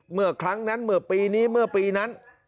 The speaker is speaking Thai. เมื่อครั้งนั้นเมื่อปีนี้เมื่อปีนั้น